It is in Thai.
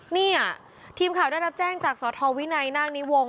เนี่ยทีมข่าวได้รับแจ้งจากสทวินัยนาคนิวงศ